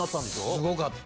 すごかった。